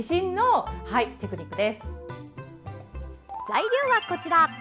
材料はこちら。